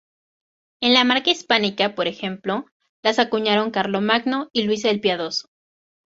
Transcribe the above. En la Marca Hispánica, por ejemplo, las acuñaron Carlomagno y Luis el Piadoso.